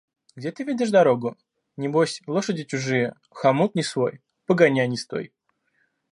– Где ты видишь дорогу? Небось: лошади чужие, хомут не свой, погоняй не стой.